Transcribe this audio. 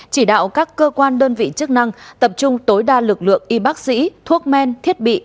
chỉ đạo các cơ quan đơn vị chức năng tập trung tối đa lực lượng y bác sĩ thuốc men thiết bị